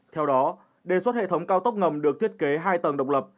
theo đó đề xuất hệ thống cao tốc ngầm được thiết kế hai tầng độc lập